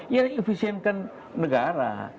ya efisienkan negara